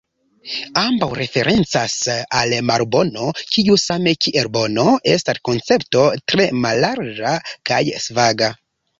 Ambaŭ referencas al malbono, kiu same kiel bono, estas koncepto tre mallarĝa kaj svaga.